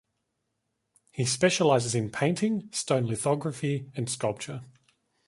He specializes in painting, stone lithography and sculpture.